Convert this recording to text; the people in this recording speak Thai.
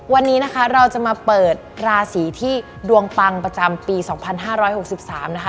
วันนี้นะคะเราจะมาเปิดราศีที่ดวงปังประจำปี๒๕๖๓นะคะ